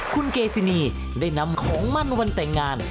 คุณเกซินีได้นำของมั่นวันแต่งงาน